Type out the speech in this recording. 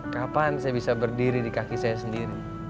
kapan saya bisa berdiri di kaki saya sendiri